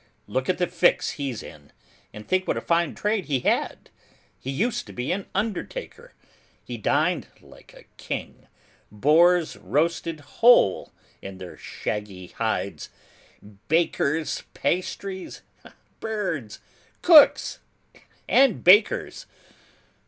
Look at the fix he's in, and think what a fine trade he had! He used to be an undertaker. He dined like a king, boars roasted whole in their shaggy Bides, bakers' pastries, birds, cooks and bakers!